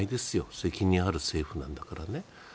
責任ある政府なんだからね。